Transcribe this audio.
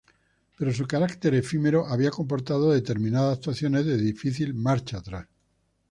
Pero su carácter efímero había comportado determinadas actuaciones de difícil marcha atrás.